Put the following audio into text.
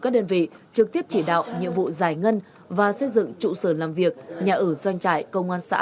các đơn vị trực tiếp chỉ đạo nhiệm vụ giải ngân và xây dựng trụ sở làm việc nhà ở doanh trại công an xã